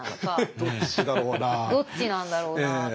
どっちなんだろうな。